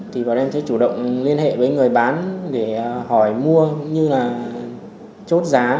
thì bọn em sẽ chủ động liên hệ với người bán để hỏi mua cũng như là chốt giá